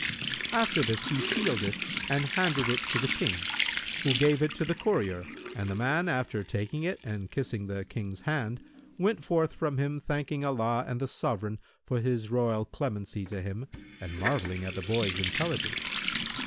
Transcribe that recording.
After this he sealed it and handed it to the King, who gave it to the courier, and the man, after taking it and kissing the King's hands went forth from him thanking Allah and the Sovran for his royal clemency to him and marvelling at the boy's intelligence.